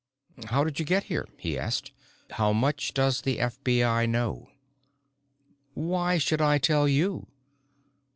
"How did you get here?" he asked. "How much does the FBI know?" "Why should I tell you?"